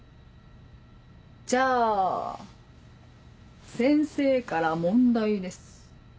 じゃあ先生から問題です。